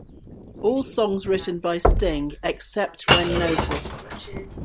All songs written by Sting except when noted.